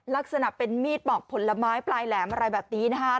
ลักษณะเป็นมีดปอกผลไม้ปลายแหลมอะไรแบบนี้นะคะ